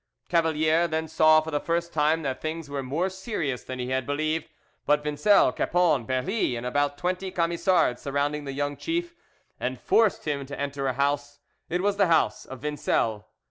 Cavalier then saw for the first time that things were more serious than he had believed, but Vincel, Cappon, Berlie, and about twenty Camisards surrounded the young chief and forced him to enter a house; it was the house of Vincel.